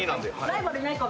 ライバルいないか。